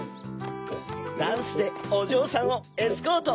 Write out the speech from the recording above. ダンスでおじょうさんをエスコート！